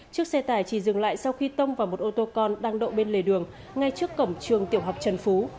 chiếc xe tải chỉ dừng lại sau khi tông vào một ô tô con đang đậu bên lề đường ngay trước cổng trường tiểu học trần phú